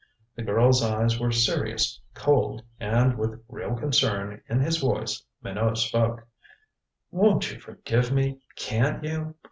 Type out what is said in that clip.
The girl's eyes were serious, cold, and with real concern in his voice Minot spoke: "Won't you forgive me can't you?